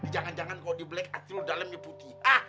jangan jangan kalau di black hati lo dalamnya putih